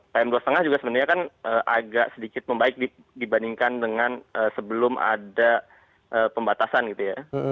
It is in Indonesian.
pm dua lima juga sebenarnya kan agak sedikit membaik dibandingkan dengan sebelum ada pembatasan gitu ya